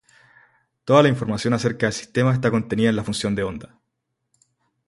Toda la información acerca del sistema está contenida en la función de onda.